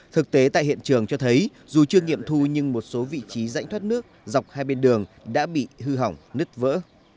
thực tế tại hiện trường cho thấy dù chưa nghiệm thu nhưng một số vị trí rãnh thoát nước dọc hai bên đường đã bị hư hỏng nứt vỡ